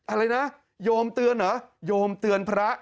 อะไรนะโยมเตือนเหรอ